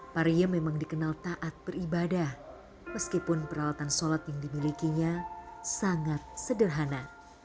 parie memang dikenal taat beribadah meskipun peralatan sholat yang dimilikinya sangat sederhana